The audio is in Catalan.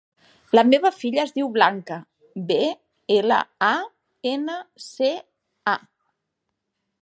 La meva filla es diu Blanca: be, ela, a, ena, ce, a.